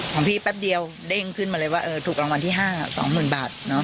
ของพี่แป๊บเดียวเด้งขึ้นมาเลยว่าถูกรางวัลที่๕๒๐๐๐บาท